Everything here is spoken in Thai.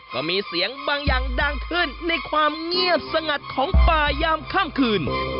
ก็มีเสียงบางอย่างดังขึ้นในความเงียบสงัดของป่ายามค่ำคืน